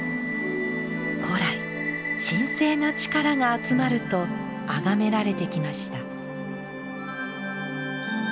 古来神聖な力が集まると崇められてきました。